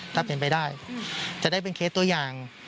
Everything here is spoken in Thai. ถ้าเป็นไปได้จะได้เป็นเคสตัวอย่าง